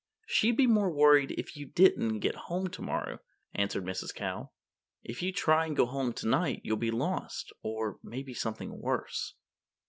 "She'd be more worried if you didn't get home tomorrow," answered Mrs. Cow. "If you try to go home tonight you'll be lost or maybe something worse."